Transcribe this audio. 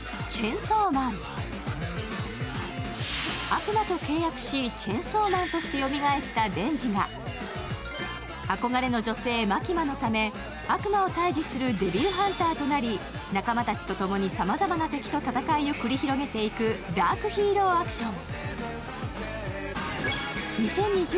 悪魔と契約しチェンソーマンとしてよみがえったデンジが憧れの女性、マキマのため、悪魔を退治するデビルハンターとなり仲間たちとともにさまざまな敵と戦いを繰り広げていくダークヒーローアクション。